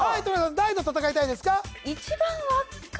誰と戦いたいですか？